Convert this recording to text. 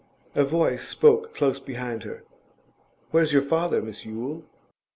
A voice spoke close behind her. 'Where's your father, Miss Yule?